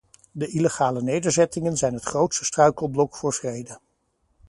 De illegale nederzettingen zijn het grootste struikelblok voor vrede.